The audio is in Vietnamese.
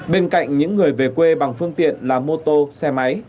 bên cạnh những người về quê bằng phương tiện là mô tô xe máy